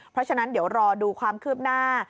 เพราะฉะนั้นเดี๋ยวรอดูความคืบหน้า